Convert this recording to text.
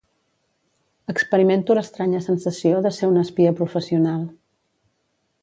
Experimento l'estranya sensació de ser una espia professional.